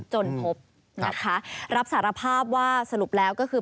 จนพบนะคะรับสารภาพว่าสรุปแล้วก็คือ